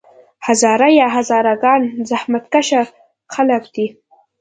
هزاره یا هزاره ګان زحمت کښه خلک دي.